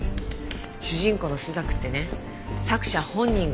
主人公の朱雀ってね作者本人がモデルなの。